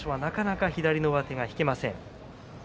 なかなか左の上手が引けません。